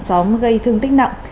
đóng gây thương tích nặng